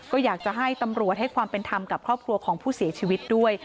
ก็อยากจะให้ตำรวจให้ความเป็นธรรมกับครอบครัวของผู้เสียชีวิตด้วย